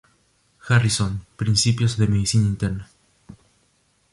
Harrison: Principios de Medicina Interna.